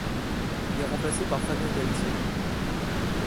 Il est remplacé par Fabien Galthié.